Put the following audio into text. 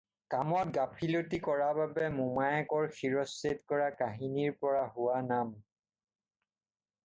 কামত গাফিলতি কৰা বাবে মোমায়েকৰ শিৰচ্ছেদ কৰা কাহিনীৰ পৰা হোৱা নাম।